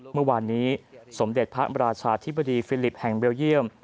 เมื่อวานนี้สมเด็จพระราชาธิบดีฟิลิปแห่งเบลเยี่ยม